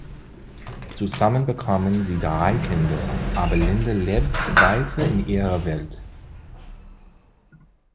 Zusammen bekommen sie drei Kinder, aber Linda lebt weiter in ihrer Welt.